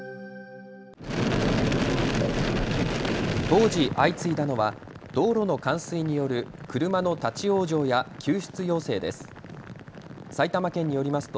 当時、相次いだのは道路の冠水による車の立往生や救出要請です。